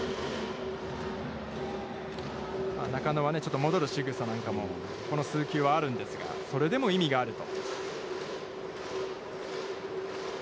中野はちょっと戻るしぐさなんかもこの数球は、あるんですが、それでも意味があると。